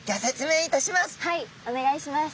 はいお願いします。